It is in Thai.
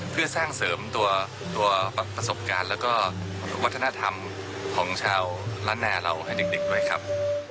เพื่อสร้างเสริมตัวประสบการณ์แล้วก็วัฒนธรรมของชาวล้านนาเราให้เด็กด้วยครับ